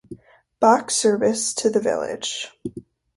Box service to the village.